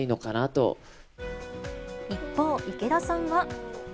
一方、池田さんは。